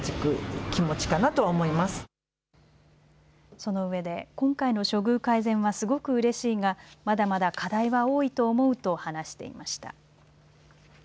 そのうえで今回の処遇改善はすごくうれしいがまだまだ課題は多いと思うと話していました。